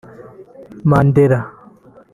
Mandela